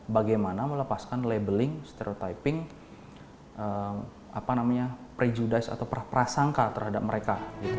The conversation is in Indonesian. bagaimana melepaskan labeling stereotyping prejudice atau prasangka terhadap mereka